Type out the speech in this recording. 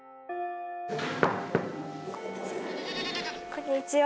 こんにちは。